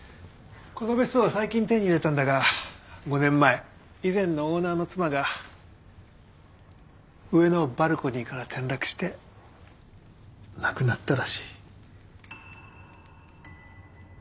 この別荘は最近手に入れたんだが５年前以前のオーナーの妻が上のバルコニーから転落して亡くなったらしい。